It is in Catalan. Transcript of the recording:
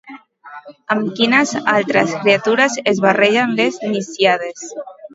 Amb quines altres criatures es barregen les Nisíades?